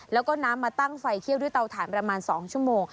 แล้วก็น้ำมาตั้งไฟเขี้ยวด้วยเตาถ่านประมาณ๒ชั่วโมง